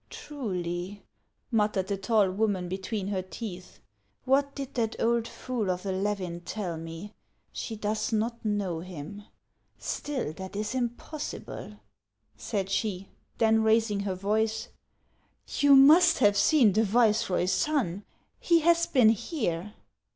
375 "Truly," muttered the tall woman between her teeth. " What did that old fool of a Levin tell me ? She does not know him. Still, that is impossible," said she ; then, raising her voice :" You must have seen the viceroy's son; he has been here."